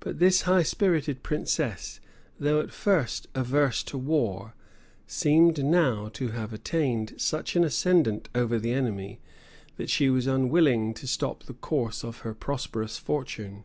But this high spirited princess, though at first averse to war, seemed now to have attained such an ascendant over the enemy, that she was unwilling to stop the course of her prosperous fortune.